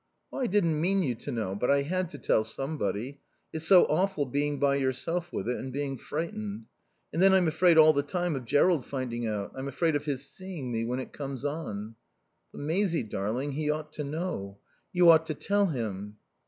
"I didn't mean you to know. But I had to tell somebody. It's so awful being by yourself with it and being frightened. And then I'm afraid all the time of Jerrold finding out. I'm afraid of his seeing me when it comes on." "But, Maisie darling, he ought to know. You ought to tell him."